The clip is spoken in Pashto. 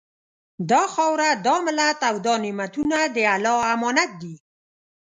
دا خاوره، دا ملت او دا نعمتونه د الله امانت دي